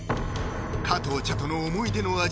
加藤茶との思い出の味